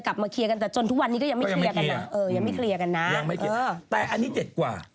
แต่อันนี้เจ็ดกว่า